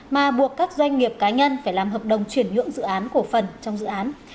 mà buộc các doanh nghiệp cá nhân phải làm hợp đồng chuyển nhuộm dự án cổ phần trong dự án